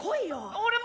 俺も？